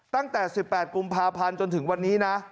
ตั้งแต่๑๘กุมภาพันธ์จนถึงวันนี้นะ